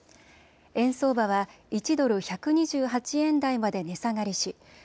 円相場は１ドル１２８円台まで値下がりし